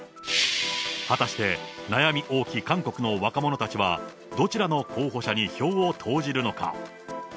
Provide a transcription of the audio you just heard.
果たして悩み多き韓国の若者たちは、どちらの候補者に票を投じるのか。